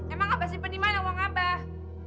emang abah simpen di mana uang abah